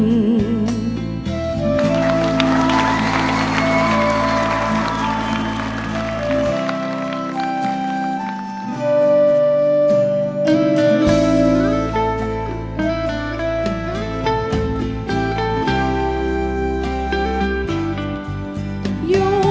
เอาล่ะนะเต่าว่าไปต่อด้วย